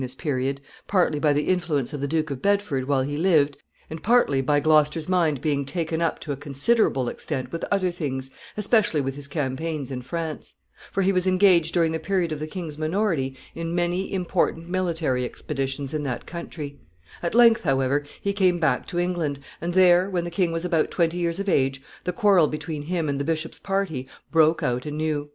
] The quarrel between the Duke of Gloucester and the bishop was kept, in some degree, subdued during this period, partly by the influence of the Duke of Bedford while he lived, and partly by Gloucester's mind being taken up to a considerable extent with other things, especially with his campaigns in France; for he was engaged during the period of the king's minority in many important military expeditions in that country. At length, however, he came back to England, and there, when the king was about twenty years of age, the quarrel between him and the bishop's party broke out anew.